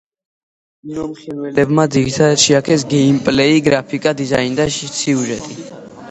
მიმოხილველებმა ძირითადად შეაქეს გეიმპლეი, გრაფიკა, დიზაინი და სიუჟეტი.